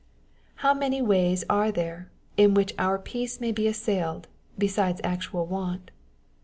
How many ways are there, in which our peace may be assailed, besides actual want!